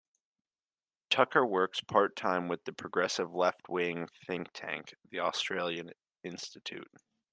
Tucker works part-time with the progressive left wing think tank, The Australia Institute.